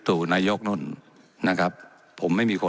และยังเป็นประธานกรรมการอีก